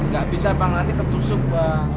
gak bisa bang nanti ketusuk bang